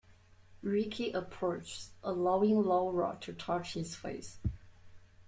Ricky approaches, allowing Laura to touch his face.